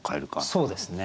そうですね。